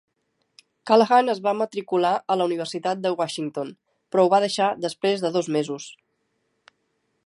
Callahan es va matricular a la Universitat de Washington, però ho va deixar després de dos mesos.